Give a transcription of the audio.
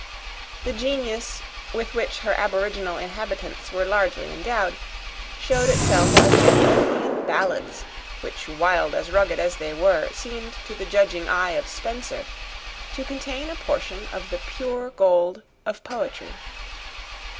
The genius, with which her aboriginal inhabitants were largely endowed' showed itself as yet only in ballads which wild and rugged as they were, seemed to the judging eye of Spenser to contain a portion of the pure gold of poetry.